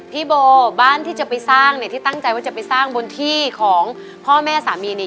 พี่โบบ้านที่จะไปสร้างเนี่ยที่ตั้งใจว่าจะไปสร้างบนที่ของพ่อแม่สามีเนี่ย